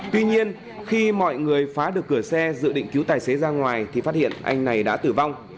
tuy nhiên khi mọi người phá được cửa xe dự định cứu tài xế ra ngoài thì phát hiện anh này đã tử vong